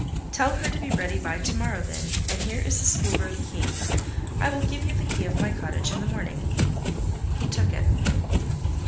"Tell her to be ready by to morrow then; and here is the schoolroom key: I will give you the key of my cottage in the morning." He took it.